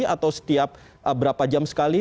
atau setiap berapa jam sekali